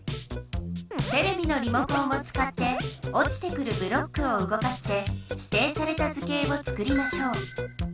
テレビのリモコンをつかっておちてくるブロックをうごかして指定された図形をつくりましょう。